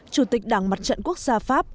chủ tịch đảng mặt trận quốc gia pháp